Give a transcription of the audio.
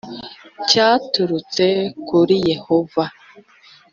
cyaturutse kuri yehova